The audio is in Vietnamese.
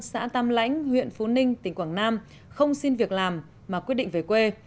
xã tam lãnh huyện phú ninh tỉnh quảng nam không xin việc làm mà quyết định về quê